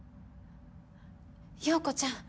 葉子ちゃん。